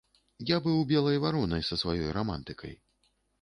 Я быў белай варонай са сваёй рамантыкай.